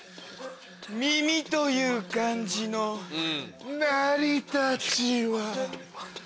「耳」という漢字の。成り立ちは。